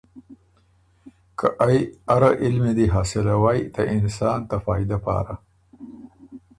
که ائ اره علمی دی حاصلوئ ته انسان ته فائدۀ پاره۔